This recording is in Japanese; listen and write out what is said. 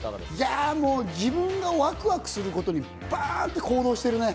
自分がワクワクすることにバンと行動してるね。